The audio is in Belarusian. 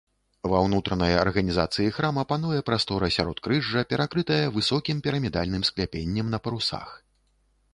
Ва ўнутранай арганізацыі храма пануе прастора сяродкрыжжа, перакрытая высокім пірамідальным скляпеннем на парусах.